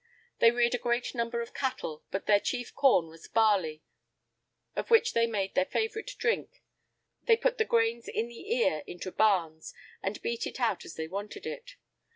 They reared a great number of cattle; but their chief corn was barley, of which they made their favourite drink. They put the grain in the ear into barns, and beat it out as they wanted it.